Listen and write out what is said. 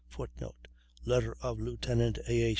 [Footnote: Letter of Lieutenant A.